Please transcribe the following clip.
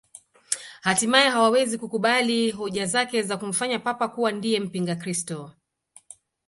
Hatimaye hawawezi kukubali hoja zake za kumfanya Papa kuwa ndiye mpingakristo